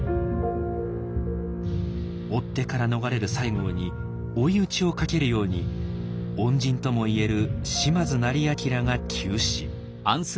追っ手から逃れる西郷に追い打ちをかけるように恩人とも言える島津斉彬が急死。